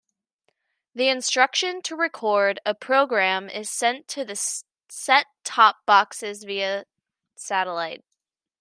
The instruction to record a programme is sent to the set-top boxes via satellite.